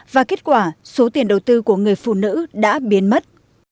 và kết quả số tiền đầu tư của người phụ nữ đã biến mất